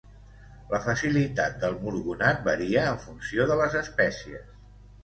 La facilitat del murgonat varia en funció de les espècies.